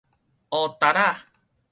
烏笛仔